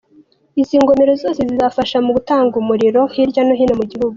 Izi ngomero zose zizafasha mu gutanga umuriro hirya no hino mu gihugu.